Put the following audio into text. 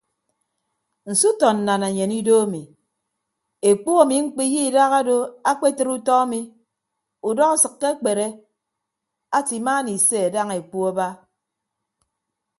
Nso utọ nnanenyen ido ami ekpu ami mkpiye idahado akpetịd utọ ami udọ asịkke akpere ate imaana ise daña ekpu aba.